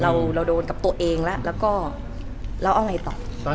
เหมือนนางก็เริ่มรู้แล้วเหมือนนางก็เริ่มรู้แล้ว